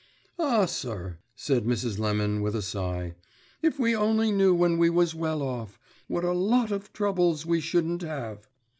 "Ah, sir," said Mrs. Lemon, with a sigh, "if we only knew when we was well off, what a lot of troubles we shouldn't have!"